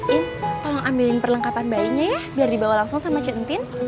in tolong ambil perlengkapan bayinya ya biar dibawa langsung sama cantin